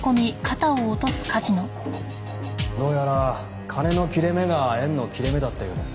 どうやら金の切れ目が縁の切れ目だったようです。